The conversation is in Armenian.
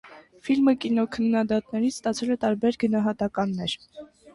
Ֆիլմը կինոքննադատներից ստացել է տարբեր գնահատականներ։